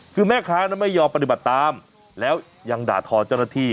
คือแม่ค้านั้นไม่ยอมปฏิบัติตามแล้วยังด่าทอเจ้าหน้าที่